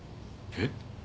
えっ？